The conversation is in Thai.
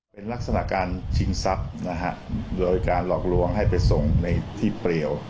เป็นลักษณะการชิงทรัพย์นะฮะโดยการหลอกลวงให้ไปส่งในที่เปรียว